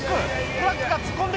トラックが突っ込んで来た！